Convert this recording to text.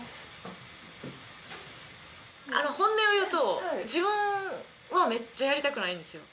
あの本音を言うと自分はめっちゃやりたくないんですよ。